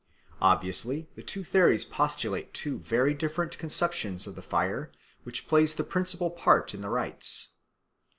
Obviously the two theories postulate two very different conceptions of the fire which plays the principal part in the rites.